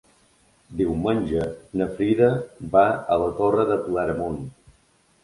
Diumenge na Frida va a la Torre de Claramunt.